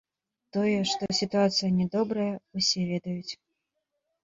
Тое, што сітуацыя не добрая, усе ведаюць.